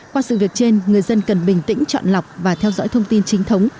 qua sự việc trên người dân cần bình tĩnh chọn lọc và theo dõi thông tin chính thống